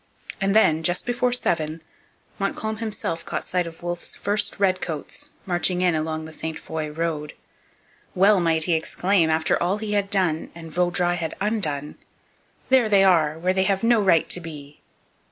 And then, just before seven, Montcalm himself caught sight of Wolfe's first redcoats marching in along the Ste Foy road. Well might he exclaim, after all he had done and Vaudreuil had undone: 'There they are, where they have no right to be!'